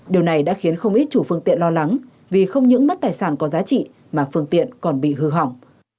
điều này đã khiến không ít chủ phương tiện lo lắng vì không những mất tài sản có giá trị mà phương tiện còn bị hư hỏng